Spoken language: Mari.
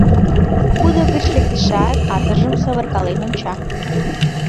Кудо гыч лектешат, атыжым савыркален онча.